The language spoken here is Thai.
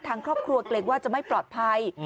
ทางครอบครัวเกรงว่าจะไม่ปลอดภัย